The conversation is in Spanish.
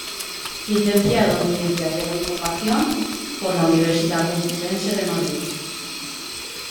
Licenciado en Ciencias de la Información por la Universidad Complutense de Madrid.